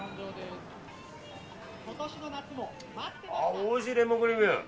おいしい、レモンクリーム。